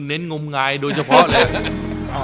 เน้นงมงายโดยเฉพาะเลย